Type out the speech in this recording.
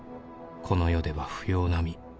「この世では不要な身」